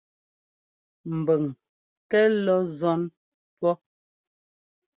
Mbʉng kɛ́ lɔ́ nzɔ́n pɔ́.